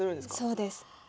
そうです。